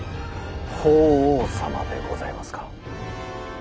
法皇様でございますか。